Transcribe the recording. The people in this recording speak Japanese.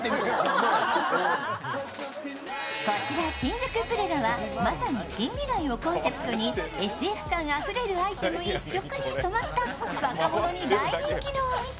こちら新宿ＰＲＥＧＡが近未来をコンセプトにＳＦ感あふれるアイテム一色に染まった若者に大人気のお店。